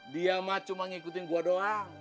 dia mah cuma ngikutin gue doang